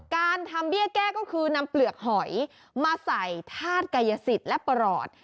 การทำเบี้ยแก้ก็คือนำเปลือกหอยมาใส่ธาตุกายสิทธิ์และประหลอด